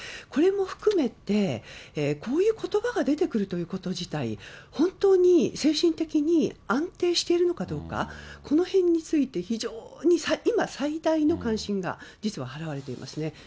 これも含めて、こういうことばが出てくるということ自体、本当に精神的に安定してるのかどうか、この辺について、非常に、今最大の関心が、実は払われていますね。